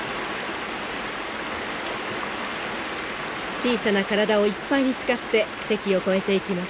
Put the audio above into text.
小さな体をいっぱいに使ってせきを越えていきます。